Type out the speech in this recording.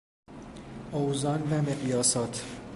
اوزان و مقیاسات